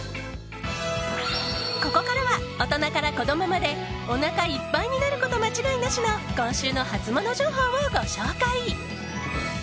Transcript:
ここからは大人から子供までおなかいっぱいになること間違いなしの今週のハツモノ情報をご紹介。